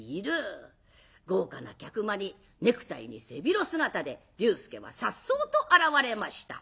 豪華な客間にネクタイに背広姿で龍介はさっそうと現れました。